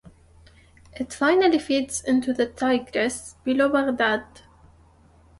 It finally feeds into the Tigris below Baghdad.